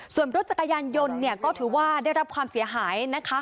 ส่วนรถจักรยานยนต์เนี่ยก็ถือว่าได้รับความเสียหายนะคะ